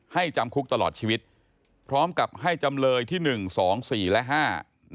ให้จำคุกตลอดชีวิตพร้อมกับให้จำเลยที่๑๒๔และ๕